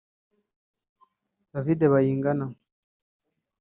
David Bayingana